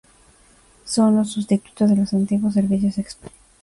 Son los sustitutos de los antiguos servicios Expresos.